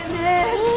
うん！